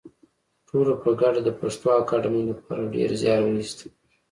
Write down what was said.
ټولو په ګډه د پښتو اکاډمۍ لپاره ډېر زیار وایستی